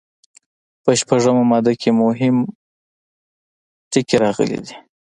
په شپږمه ماده کې مهم ټکي راغلي دي.